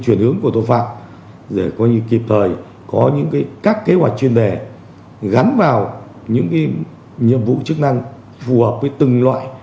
chuyển hướng của tội phạm để kịp thời có các kế hoạch chuyên đề gắn vào những nhiệm vụ chức năng phù hợp với từng loại